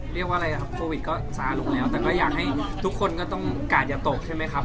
เรียกว่าอะไรครับโควิดก็ซาลงแล้วแต่ก็อยากให้ทุกคนก็ต้องกาดอย่าตกใช่ไหมครับ